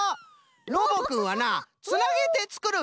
ロボくんはなつなげてつくる